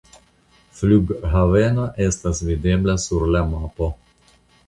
Flughaveno estas videbla sur la mapo.